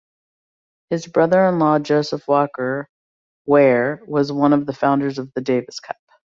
His brother-in-law Joseph Walker Wear was one of the founders of the Davis Cup.